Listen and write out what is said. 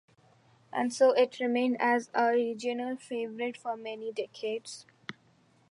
And so it remained as a regional favorite for many decades.